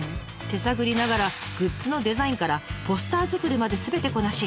手探りながらグッズのデザインからポスター作りまですべてこなし